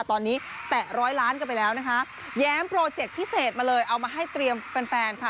ตอนนี้แตะร้อยล้านกันไปแล้วนะคะแย้มโปรเจคพิเศษมาเลยเอามาให้เตรียมแฟนแฟนค่ะ